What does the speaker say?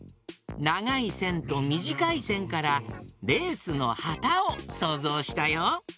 ながいせんとみじかいせんからレースのはたをそうぞうしたよ。